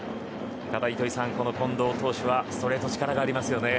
ただ糸井さん、近藤投手はストレートに力がありますね。